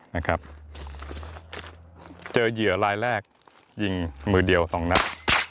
นะครับเจอเหยื่อรายแรกยิงมือเดียวสองนัด